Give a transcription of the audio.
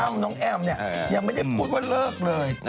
น้องอั้มน้องแอ้มเนี่ยยังไม่ได้พูดว่าเลิกเลย